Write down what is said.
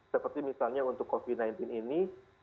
seperti misalnya untuk covid sembilan belas ini